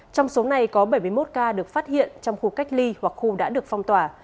trong số này có bảy mươi một ca được phát hiện trong khu cách ly hoặc khu đã được phong tỏa